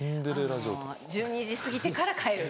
１２時過ぎてから帰る。